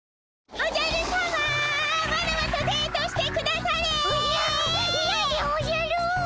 おじゃいやでおじゃる。